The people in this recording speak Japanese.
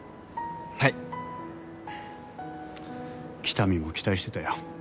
喜多見も期待してたよ。